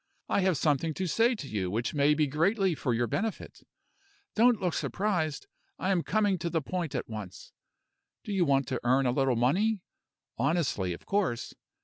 I have something to say to you which may be greatly for your benefit. Don't look surprised; I am coming to the point at once. Do you want to earn a little money? honestly, of course.